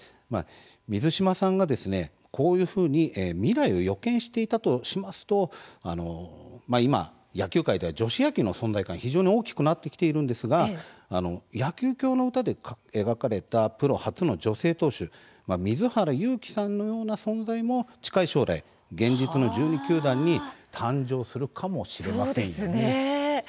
水島さんはこういうふうに未来を予見していたとしますと今、野球界では女子野球の存在感が非常に大きくなってきているんですが「野球狂の詩」で描かれたプロ初の女性投手水原勇気さんのような存在も近い将来現実の１２球団にそうですね。